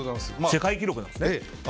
世界記録なんですね。